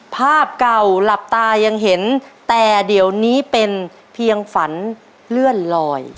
ภาพเก่าหลับตายังเห็นแต่เดี๋ยวนี้เป็นเพียงฝันเลื่อนลอย